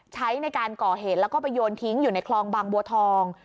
ใช้ในการก่อเหตุแล้วก็ไปโยนทิ้งอยู่ในคลองบางบัวทอง